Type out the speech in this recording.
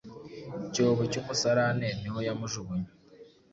Icyobo cy’umusarane niho yamujugunye